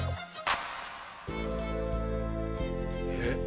えっ？